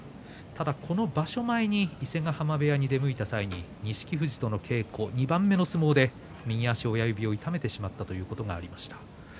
ただ、この場所前に伊勢ヶ濱部屋に出向いた際に錦富士との稽古、２番目の相撲で右足親指を痛めてしまったということがありました。